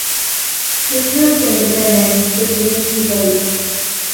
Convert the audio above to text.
Tribute from dependents could lead to wealth.